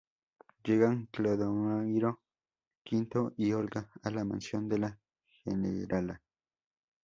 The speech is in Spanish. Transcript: Llegan Clodomiro V y Olga a la mansión de La Generala.